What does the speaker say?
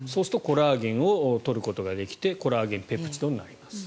そうするとコラーゲンを取ることができてコラーゲンペプチドになります。